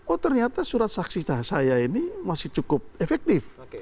oh ternyata surat saksi saya ini masih cukup efektif